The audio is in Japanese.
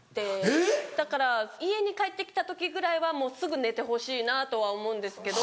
えぇ⁉だから家に帰ってきた時ぐらいはすぐ寝てほしいなとは思うんですけど。